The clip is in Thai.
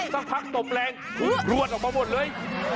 สักพักตบแรงถูกพลวดออกมาหมดเลย